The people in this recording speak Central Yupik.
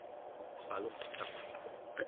paluqtaq